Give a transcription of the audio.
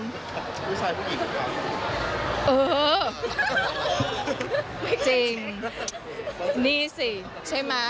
ผู้ชายผู้หญิงหรือผู้หญิงเออจริงนี่สิใช่ไหม